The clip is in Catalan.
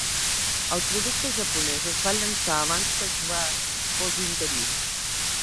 El producte japonès es va llançar abans que Schwartz fos interí.